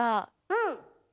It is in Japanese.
うん。